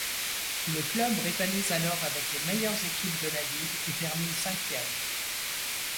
Le club rivalise alors avec les meilleures équipes de la ligue et termine cinquième.